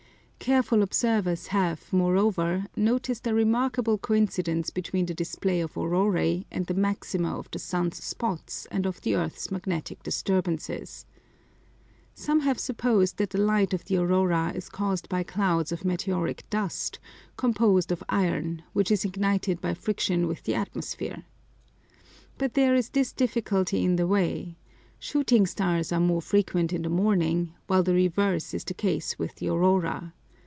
Careful observers have, moreover, noticed a remarkable coincidence between the display of auroræ and the maxima of the sun's spots and of the earth's magnetic disturbances. Some have supposed that the light of the aurora is caused by clouds of meteoric dust, composed of iron, which is ignited by friction with the atmosphere. But there is this difficulty in the way, shooting stars are more frequent in the morning, while the reverse is the case with the aurora.